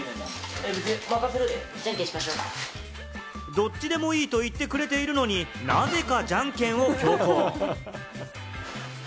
どっちでもいいと言ってくれているのに、なぜか、じゃんけんを強行。